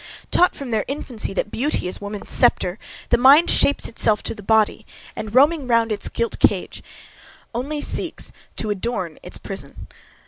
Taught from their infancy, that beauty is woman's sceptre, the mind shapes itself to the body, and, roaming round its gilt cage, only seeks to adorn its prison.